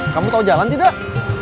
kamu tahu jalan tidak